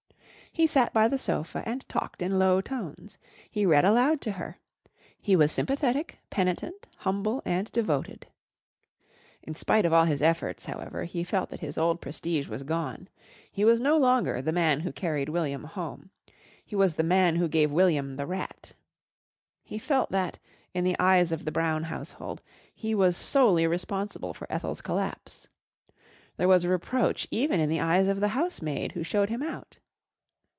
He sat by the sofa and talked in low tones. He read aloud to her. He was sympathetic, penitent, humble and devoted. In spite of all his efforts, however, he felt that his old prestige was gone. He was no longer the Man Who Carried William Home. He was the Man Who Gave William the Rat. He felt that, in the eyes of the Brown household, he was solely responsible for Ethel's collapse. There was reproach even in the eyes of the housemaid who showed him out.